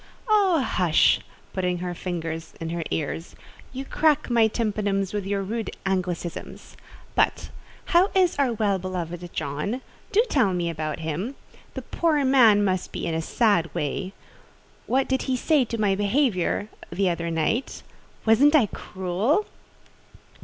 "Oh, hush!" (putting her fingers in her ears) "you crack my tympanums with your rude Anglicisms. But, how is our well beloved John? Do tell me about him. The poor man must be in a sad way. What did he say to my behaviour the other night? Wasn't I cruel?"